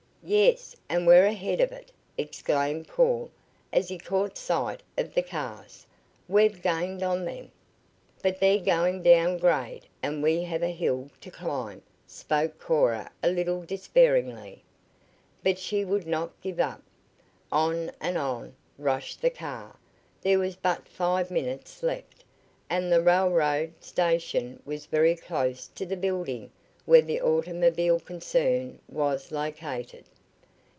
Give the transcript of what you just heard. "Yes, and we're ahead of it!" exclaimed Paul as he caught sight of the cars. "We've gained on them!" "But they're going down grade, and we have a hill to climb," spoke Cora a little despairingly. But she would not give up. On and on rushed the car. There was but five minutes left, and the railroad; station was very close to the building where the automobile concern was located.